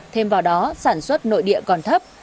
thêm vào đó sản xuất nội địa còn thấp